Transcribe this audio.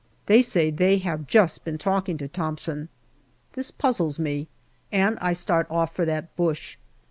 They say they have just been talking to Thomson. This puzzles me, and I start off for that bush.